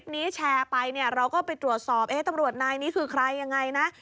นี้แชร์ไปเนี่ยเราก็ไปตรวจสอบตำรวจนายนี้คือใครยังไงนะ